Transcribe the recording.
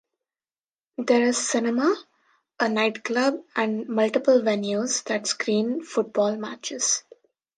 There is a cinema, a night club and multiple venues that screen football matches.